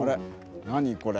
何これ。